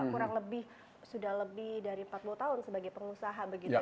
kurang lebih sudah lebih dari empat puluh tahun sebagai pengusaha begitu ya